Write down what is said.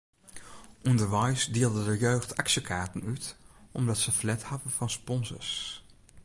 Underweis dielde de jeugd aksjekaarten út omdat se ferlet hawwe fan sponsors.